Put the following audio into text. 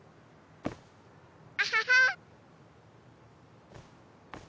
アハハ。